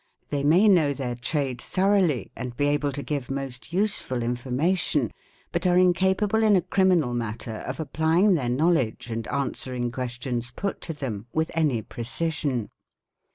. They _ may know their trade thoroughly and be able to give most useful informa tion, but are incapable in a criminal matter of applying their knowledge and answering questions put to them with any precision.